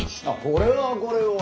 これはこれは。